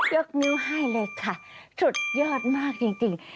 ยกนิ้วให้เลยค่ะสุดยอดมากจริง